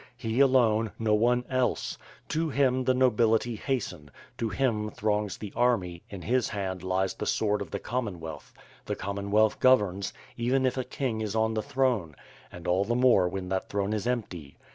— He alone — no one else! To him the nobility hasten, to him throngs the army, in his hand lies the sword of the Commonwealth, the Common wealth governs, even if a king is on the throne, and all the more when that throne is empty.